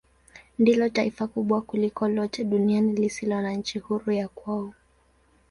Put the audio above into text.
Ndilo taifa kubwa kuliko lote duniani lisilo na nchi huru ya kwao.